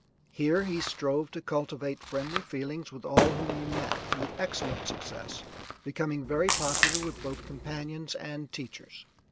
Here he strove to cultivate friendly feelings with all whom he met, with excellent success, becoming very popular with both companions and teachers.